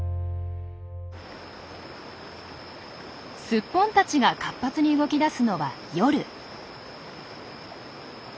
スッポンたちが活発に動きだすのは夜。